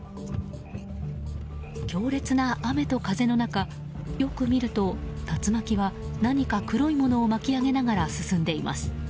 強烈な雨と風の中よく見ると、竜巻は何か黒いものを巻き上げながら進んでいます。